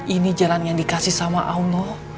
ini jalan yang dikasih sama allah